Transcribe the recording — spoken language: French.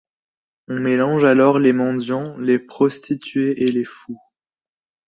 On mélange alors les mendiants, les prostituées et les fous.